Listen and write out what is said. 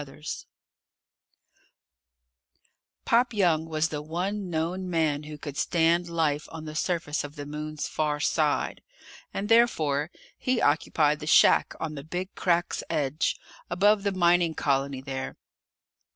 _ BY MURRAY LEINSTER Illustrated by Freas Pop Young was the one known man who could stand life on the surface of the Moon's far side, and, therefore, he occupied the shack on the Big Crack's edge, above the mining colony there.